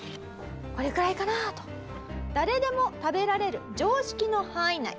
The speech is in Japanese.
これくらいかな？と誰でも食べられる常識の範囲内